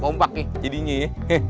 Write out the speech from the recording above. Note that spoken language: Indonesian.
pompak nih jadinya ya